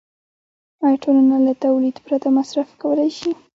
آیا ټولنه له تولید پرته مصرف کولی شي